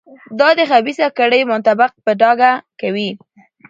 دا د خبیثه کړۍ منطق په ډاګه کوي.